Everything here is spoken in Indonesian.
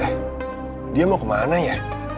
eh dia mau ke mana ya